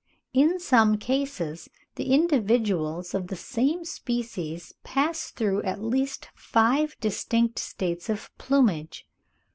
In some cases the individuals of the same species pass through at least five distinct states of plumage.